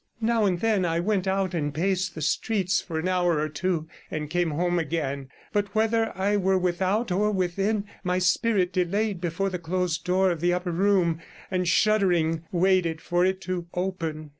Now and then I went out and paced the streets for an hour or two and came home again; but whether I were without or within, my spirit delayed before the closed door of the upper room, and, shuddering, waited for it to open.